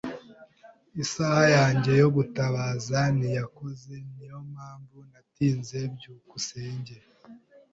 Isaha yanjye yo gutabaza ntiyakoze. Niyo mpamvu natinze. byukusenge